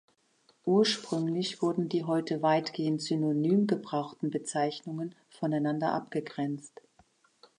Ursprünglich wurden die heute weitgehend synonym gebrauchten Bezeichnungen voneinander abgegrenzt.